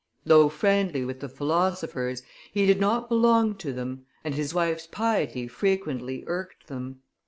Though friendly with the philosophers, he did not belong to them, and his wife's piety frequently irked them.